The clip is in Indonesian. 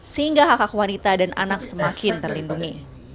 sehingga hak hak wanita dan anak semakin terlindungi